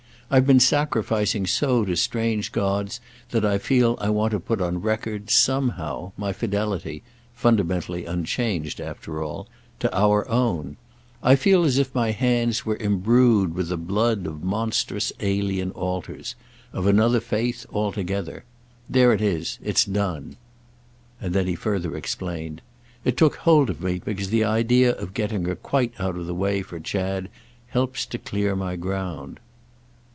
I've been sacrificing so to strange gods that I feel I want to put on record, somehow, my fidelity—fundamentally unchanged after all—to our own. I feel as if my hands were embrued with the blood of monstrous alien altars—of another faith altogether. There it is—it's done." And then he further explained. "It took hold of me because the idea of getting her quite out of the way for Chad helps to clear my ground."